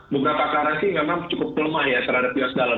beberapa karansi memang cukup lemah ya terhadap us dollar